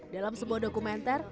dalam sebuah dokumenter